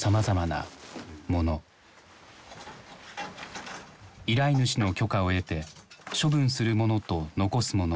依頼主の許可を得て処分するものと残すものを仕分けていく。